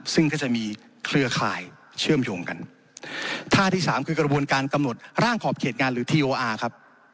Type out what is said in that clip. ซึ่งก็จะมีเครือข่ายเชื่อมโยงกันท่าที่สามคือกระบวนการกำหนดร่างขอบเขตงานหรือทีโออาร์ครับ